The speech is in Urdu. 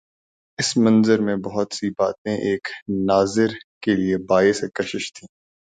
اس منظر میں بہت سی باتیں ایک ناظر کے لیے باعث کشش تھیں۔